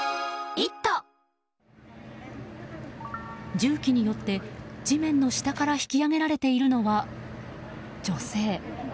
重機によって地面の下から引き上げられているのは女性。